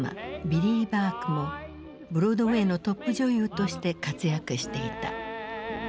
ビリー・バークもブロードウェイのトップ女優として活躍していた。